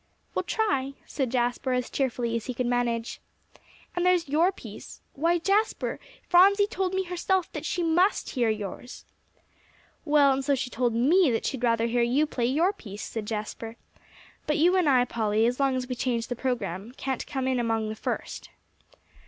"We'll try," said Jasper, as cheerfully as he could manage. "And there's your piece. Why, Jasper, Phronsie told me herself that she must hear yours." "Well, and so she told me that she'd rather hear you play your piece," said Jasper; "but you and I, Polly, as long as we change the program, can't come in among the first."